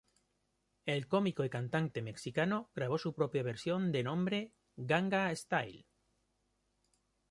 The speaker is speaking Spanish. El cómico y cantante mexicano grabó su propia versión de nombre "Ganga style".